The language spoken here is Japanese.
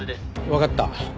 わかった。